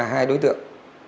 hai đối tượng